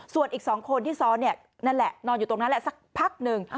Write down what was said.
ส่วนอีก๒คนที่ซ้อนเนี่ยนั่นแหละนอนอยู่ตรงนั้นแหละสักพักหนึ่ง